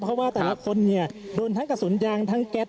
เพราะว่าแต่ละคนเนี่ยโดนทั้งกระสุนยางทั้งแก๊ส